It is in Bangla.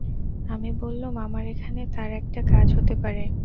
আমি বললুম, আমার এখানে তার একটা কাজ হতে পারে।